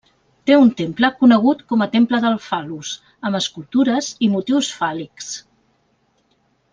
Té un temple conegut com a Temple del Fal·lus amb escultures i motius fàl·lics.